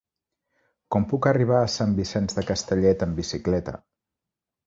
Com puc arribar a Sant Vicenç de Castellet amb bicicleta?